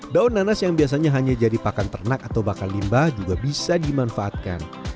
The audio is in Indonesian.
daun nanas yang biasanya hanya jadi pakan ternak atau bakar limbah juga bisa dimanfaatkan